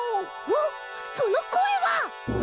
おっそのこえは！？